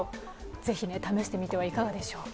ぜひ試してみてはいかがでしょうか。